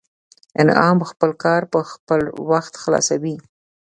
انعام خپل کار پر وخت خلاصوي